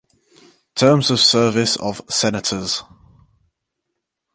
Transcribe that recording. Terms of service of senators.